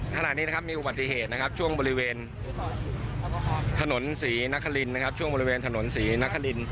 ขณะนี้นะครับมีอุบัติเหตุนะครับช่วงบริเวณถนนศรีนครินทร์